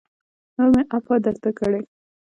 نور مې عفوه درته کړې